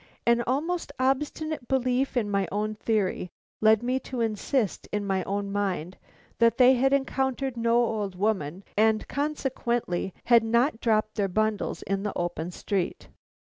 An almost obstinate belief in my own theory led me to insist in my own mind that they had encountered no old woman, and consequently had not dropped their bundles in the open street.